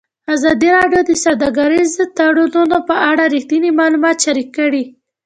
ازادي راډیو د سوداګریز تړونونه په اړه رښتیني معلومات شریک کړي.